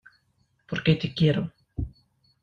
porque te quiero.